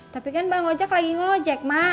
tapi kan bang ojak lagi ngojek mak